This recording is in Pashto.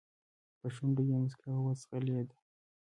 په شونډو يې موسکا وځغلېده.